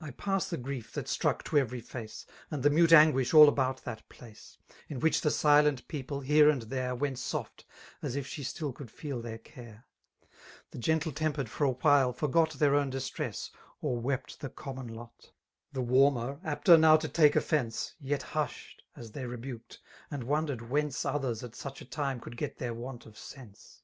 I pass the grief that struck to every face. And the mute anguish all about that place. In which the silent pe<^le, here an4 there. Went soft, aa if she still oovld feel their care. The gepde tempeKed for a ^hil^ forgot Their owfl^ diatr^^s^ or W6pt the comimxn lot ; 106 The wttnner, mpbtt now to take offsnce^ Yet hushed as they rebuked> and wondered whence 04her$ ai such a time <:ould^ their want of aense.